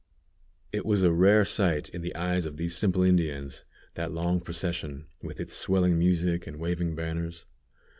It was a rare sight in the eyes of these simple Indians, that long procession, with its swelling music and waving banners.